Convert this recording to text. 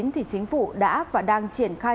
thì chính phủ đã và đang triển khai